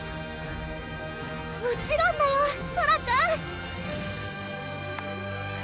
もちろんだよソラちゃん！